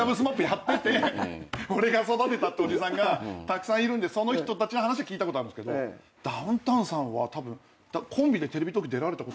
やってて俺が育てたっておじさんがたくさんいるんでその人たちの話聞いたことあるんですけどダウンタウンさんはたぶんコンビでテレビ東京出られたこともない。